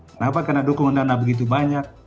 kenapa karena dukungan dana begitu banyak